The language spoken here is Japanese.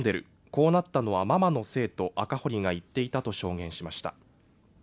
こうなったのはママのせいと赤堀が言っていたと証言しました